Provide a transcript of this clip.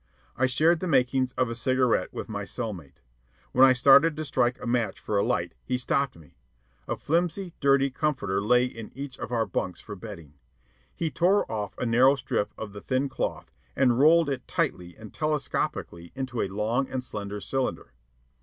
I shared the makings of a cigarette with my cell mate. When I started to strike a match for a light, he stopped me. A flimsy, dirty comforter lay in each of our bunks for bedding. He tore off a narrow strip of the thin cloth and rolled it tightly and telescopically into a long and slender cylinder.